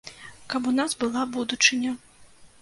Каб у нас была будучыня.